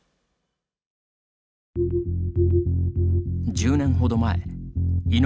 １０年ほど前井ノ